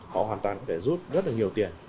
họ hoàn toàn có thể rút rất là nhiều tiền